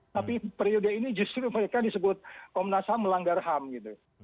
tapi periode ini justru mereka disebut komnas ham melanggar ham gitu